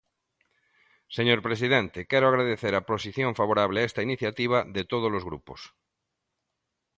Señor presidente, quero agradecer a posición favorable a esta iniciativa de todos os grupos.